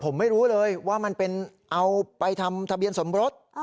ผมไม่รู้เลยว่ามันเป็นเอาไปทำทะเบียนสมรส